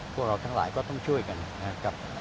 พวกเราทั้งหลายก็ต้องช่วยกันนะครับ